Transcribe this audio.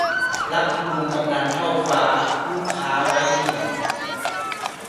รักลุงกำนันเท่าฟ้า ลูกค้าไว้ทีหลัง